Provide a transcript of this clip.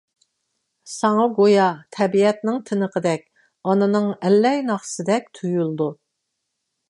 ساڭا گويا تەبىئەتنىڭ تىنىقىدەك، ئانىنىڭ ئەللەي ناخشىسىدەك تۇيۇلىدۇ.